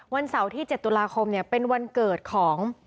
วันเสาร์ที่๗ตุลาคมเป็นวันเกิดของ